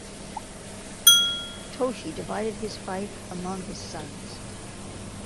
Toshiie divided his fief among his sons.